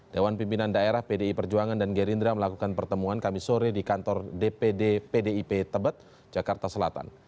dewan pimpinan daerah pdi perjuangan dan gerindra melakukan pertemuan kami sore di kantor dpd pdip tebet jakarta selatan